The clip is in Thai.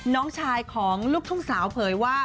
น้องชายของลูกทุ่งสาวเผยว่า